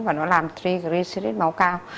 và nó làm triglycerides máu cao